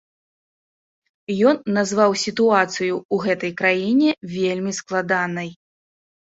Ён назваў сітуацыю ў гэтай краіне вельмі складанай.